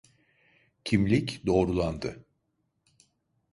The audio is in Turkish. Kimlik doğrulandı.